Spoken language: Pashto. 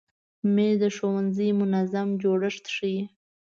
مېز د ښوونځي منظم جوړښت ښیي.